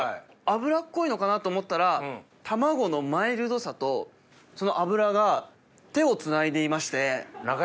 油っこいのかなと思ったら卵のマイルドさとその油が手をつないでいまして。